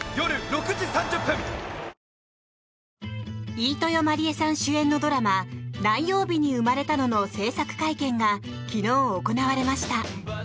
飯豊まりえさん主演のドラマ「何曜日に生まれたの」の制作会見が昨日行われました。